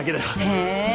へえ。